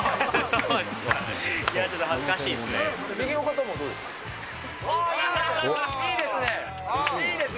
いやちょっと恥ずかしいです